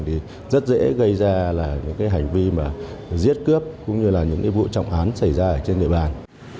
thì rất dễ gây ra những hành vi giết cướp cũng như là những vụ trọng án xảy ra trên địa bàn